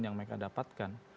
yang mereka dapatkan